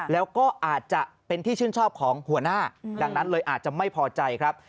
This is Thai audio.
แล้วก็อาจจะเป็นที่ชื่นชอบของหัวหน้าดังนั้นเลยอาจจะไม่พอใจครับ